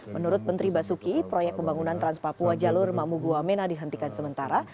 menurut menteri basuki proyek pembangunan trans papua jalur mamugua mena dihentikan sementara